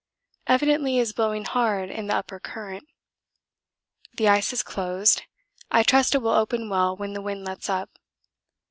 Evidently it is blowing hard in the upper current. The ice has closed I trust it will open well when the wind lets up.